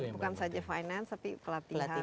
bukan saja finance tapi pelatihan